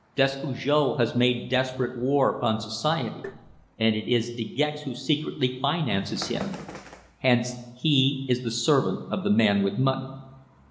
Despujol has made desperate war upon society, and it is De Gex who secretly finances him! Hence he is the servant of the man with money."